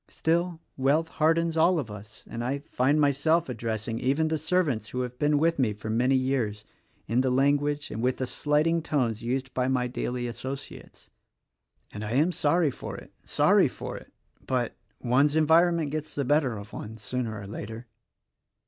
Still, wealth hardens all of us; and I find myself addressing even the servants who have been with me for many years, in the language, and with the slighting tones, used by my daily associates, — and I am sorry for it, sorry for it; but one's environment gets the better of one sooner or later.